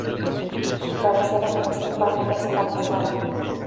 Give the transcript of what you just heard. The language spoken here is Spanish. Su cabecera municipal es Palizada.